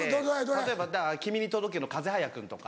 例えば『君に届け』の風早君とか。